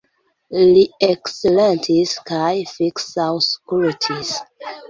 Li eksilentis kaj fiksaŭskultis.